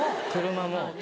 車も。